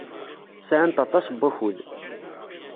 Sɛant aṭas n wakud.